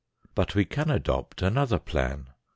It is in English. But we can adopt another plan.